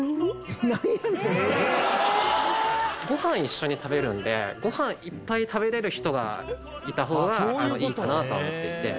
「なんやねんそれ」ご飯一緒に食べるのでご飯いっぱい食べられる人がいた方がいいかなあとは思っていて。